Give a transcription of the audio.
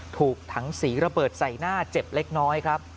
ถูกถังสีระเบิดใส่หน้าเจ็บเล็กน้อยครับ